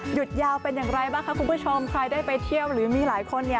หยุดยาวเป็นอย่างไรบ้างคะคุณผู้ชมใครได้ไปเที่ยวหรือมีหลายคนเนี่ย